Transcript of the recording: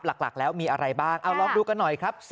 หลักแล้วมีอะไรบ้างเอาลองดูกันหน่อยครับ